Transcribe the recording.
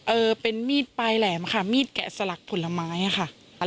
เป็นมีดปลายแหลมค่ะมีดแกะสลักผลไม้ค่ะ